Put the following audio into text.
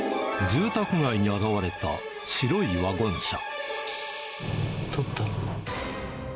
住宅街に現れた白いワゴン車。